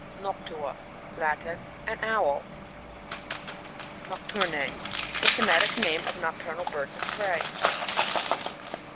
NocTUA. — Latin. An Owl. NocTURN.£. — Systematic name of nocturnal birds of prey.